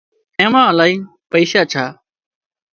اين مان الاهي پئيشا ڇا